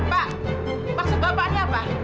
pak maksud bapaknya apa